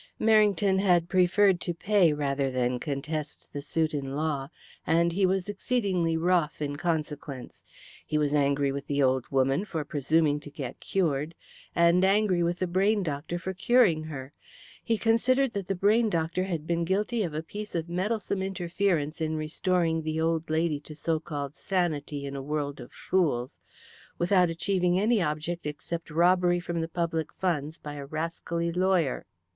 Merrington had preferred to pay rather than contest the suit in law, and he was exceedingly wroth in consequence. He was angry with the old woman for presuming to get cured, and angry with the brain doctor for curing her. He considered that the brain doctor had been guilty of a piece of meddlesome interference in restoring the old lady to so called sanity in a world of fools, without achieving any object except robbery from the public funds by a rascally lawyer.